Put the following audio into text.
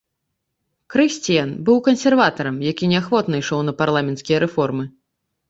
Крысціян быў кансерватарам, якія неахвотна ішоў на парламенцкія рэформы.